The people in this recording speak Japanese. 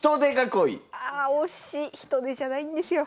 あ惜しい！ヒトデじゃないんですよ。